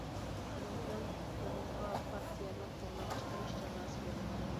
شۇنىڭ بىلەن، ئۇنىڭغا پارتىيەدىن قوغلاپ چىقىرىش جازاسى بېرىلدى.